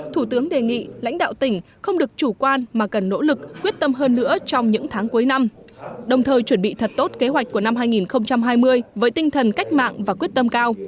thủ tướng đề nghị lãnh đạo tỉnh không được chủ quan mà cần nỗ lực quyết tâm hơn nữa trong những tháng cuối năm đồng thời chuẩn bị thật tốt kế hoạch của năm hai nghìn hai mươi với tinh thần cách mạng và quyết tâm cao